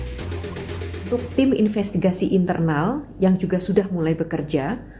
untuk tim investigasi internal yang juga sudah mulai bekerja